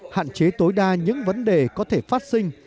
hạn chế tối đa những vấn đề có thể phát sinh